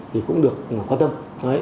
thì cũng được quan tâm